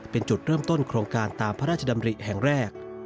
เป็นจุดเริ่มต้นโครงการตามพระราชดำริแห่งแรก